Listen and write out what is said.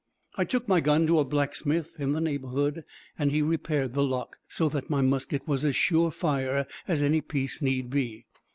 I took my gun to a blacksmith in the neighborhood, and he repaired the lock, so that my musket was as sure fire as any piece need be.